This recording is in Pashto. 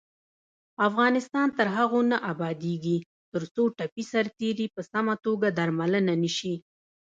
افغانستان تر هغو نه ابادیږي، ترڅو ټپي سرتیري په سمه توګه درملنه نشي.